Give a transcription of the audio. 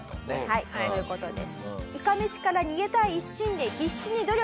はいそういう事です。